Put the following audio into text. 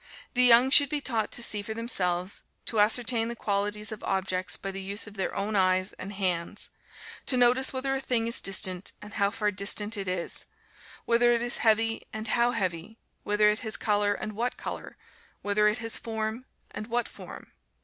The young should be taught to see for themselves, to ascertain the qualities of objects by the use of their own eyes and hands, to notice whether a thing is distant and how far distant it is, whether it is heavy and how heavy, whether it has color and what color, whether it has form and what form.